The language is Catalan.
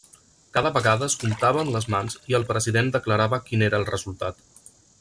Cada vegada es comptaven les mans i el president declarava quin era el resultat.